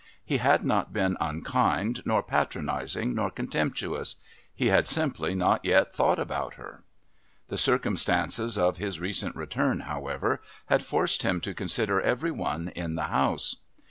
He had not been unkind nor patronising nor contemptuous he had simply not yet thought about her. The circumstances of his recent return, however, had forced him to consider every one in the house.